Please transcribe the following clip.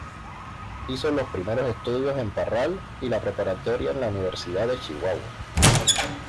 Hizo los primeros estudios en Parral, y la preparatoria en la Universidad de Chihuahua.